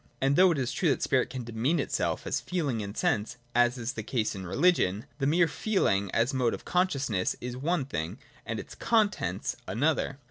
And though it is true that spirit can de mean itself as feeling and sense — as is the case in religion, the mere feeling, as a mode of consciousness, is one thing, and its contents another.